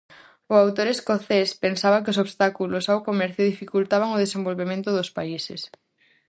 O autor escocés pensaba que os obstáculos ao comercio dificultaban o desenvolvemento dos países.